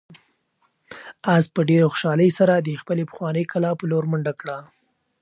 آس په ډېرې خوشحالۍ سره د خپلې پخوانۍ کلا په لور منډه کړه.